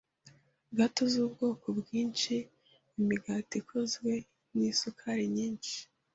gato z’ubwoko bwinshi, imigati ikozwe n’isukari nyinshi,